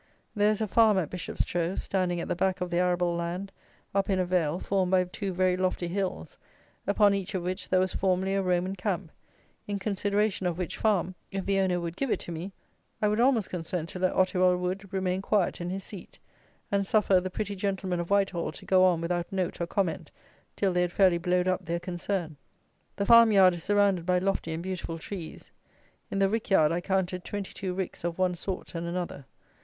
There is a farm at Bishopstrow, standing at the back of the arable land, up in a vale, formed by two very lofty hills, upon each of which there was formerly a Roman Camp, in consideration of which farm, if the owner would give it to me, I would almost consent to let Ottiwell Wood remain quiet in his seat, and suffer the pretty gentlemen of Whitehall to go on without note or comment till they had fairly blowed up their concern. The farm yard is surrounded by lofty and beautiful trees. In the rick yard I counted twenty two ricks of one sort and another.